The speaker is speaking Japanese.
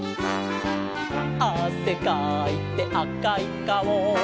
「あせかいてあかいかお」